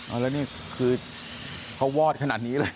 แล้วนี่คือเขาวอดขนาดนี้เลย